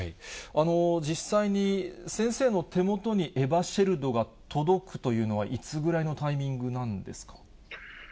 実際に先生の手元にエバシェルドが届くというのは、いつぐらいのタイミングなんですか。